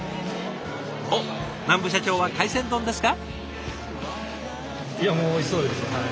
おっ南部社長は海鮮丼ですか。